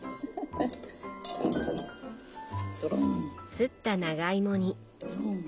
すった長いもに。